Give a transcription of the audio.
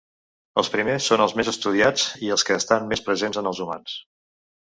Els primers són els més estudiats i els que estan més presents en els humans.